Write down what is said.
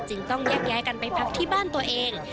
ต้องแยกย้ายกันไปพักที่บ้านตัวเอง